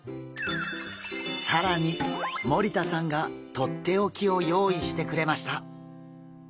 更に森田さんがとっておきを用意してくれました！